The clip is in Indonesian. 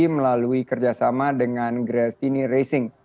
melalui kerjasama dengan gracini racing